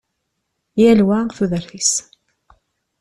Yal wa tudert-is.